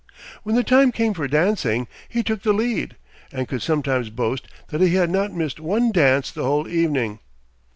When the time came for dancing, he took the lead, and could sometimes boast that he had not missed one dance the whole evening.